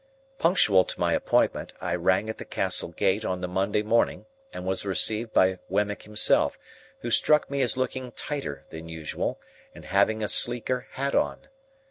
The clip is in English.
Punctual to my appointment, I rang at the Castle gate on the Monday morning, and was received by Wemmick himself, who struck me as looking tighter than usual, and having a sleeker hat on.